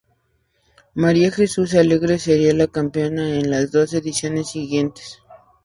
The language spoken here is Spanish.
María Jesús Alegre sería la campeona en las dos ediciones siguientes.